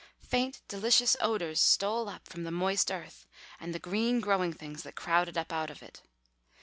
Faint delicious odours stole up from the moist earth and the green growing things that crowded up out of it.